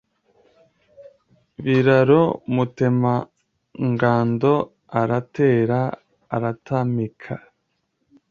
Biraro Mutemangando, aratera; aratamika